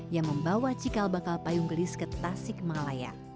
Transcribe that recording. yang membawa cikal bakal payung gelis ke tasik malaya